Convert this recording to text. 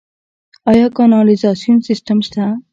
آیا کانالیزاسیون سیستم شته؟